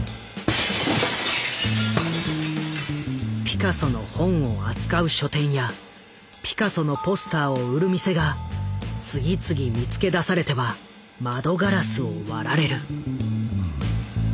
ピカソの本を扱う書店やピカソのポスターを売る店が次々見つけ出されては窓ガラスを割られる。